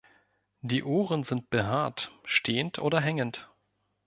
Die Ohren sind behaart, stehend oder hängend.